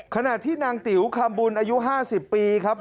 ขณะที่นางติ๋วคำบุญอายุ๕๐ปีครับ